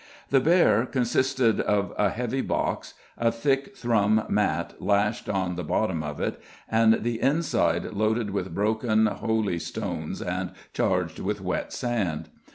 The bear consisted of a heavy box, a thick thrum mat lashed on the bottom of it, and the inside loaded with broken holy stones and charged with wet sand.